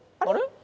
「あれ？」